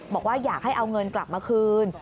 บอกว่าอยากให้เอาเงินกลับมาคืน